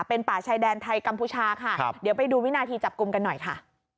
เป็นป่าชายแดนไทยกัมพูชาค่ะเดี๋ยวไปดูวินาทีจับกลุ่มกันหน่อยค่ะ